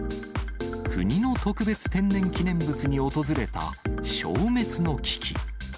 国の特別天然記念物に訪れた消滅の危機。